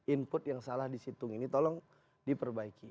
input yang salah disitung ini tolong diperbaiki